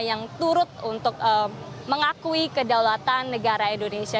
yang turut untuk mengakui kedaulatan negara indonesia